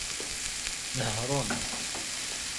Nehṛen.